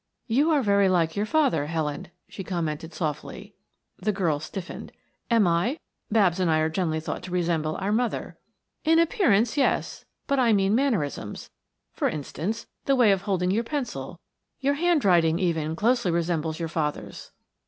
"You are very like your father, Helen," she commented softly. The girl stiffened. "Am I? Babs and I are generally thought to resemble our mother." "In appearance, yes; but I mean mannerisms for instance, the way of holding your pencil, your handwriting, even, closely resembles your father's."